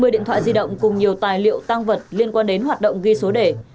một mươi điện thoại di động cùng nhiều tài liệu tăng vật liên quan đến hoạt động ghi số đề